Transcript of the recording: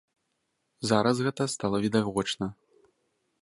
Зараз гэта стала відавочна.